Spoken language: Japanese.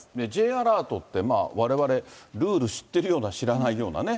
Ｊアラートってわれわれ、ルール知ってるような、知らないようなね。